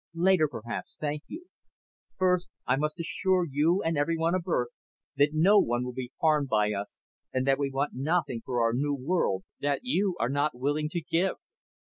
"Later, perhaps, thank you. First I must assure you and everyone of Earth that no one will be harmed by us and that we want nothing for our new world that you are not willing to give."